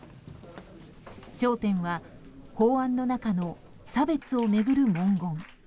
焦点は、法案の中の差別を巡る文言。